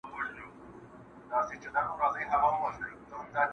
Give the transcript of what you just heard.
زموږ پاچا دی موږ په ټولو دی منلی،